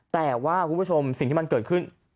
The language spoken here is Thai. แต่ว่าคุณผู้ชมสิ่งที่มันเกิดขึ้น